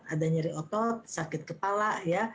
ada nyeri otot sakit kepala ya